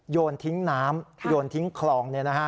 โยนทิ้งน้ำโยนทิ้งคลอง